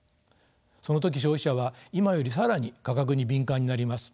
その時消費者は今より更に価格に敏感になります。